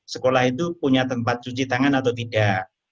sekolah itu punya tempat cuci tangan atau tidak